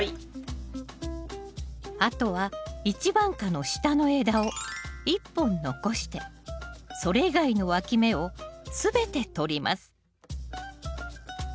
あとは一番果の下の枝を１本残してそれ以外のわき芽をすべてとります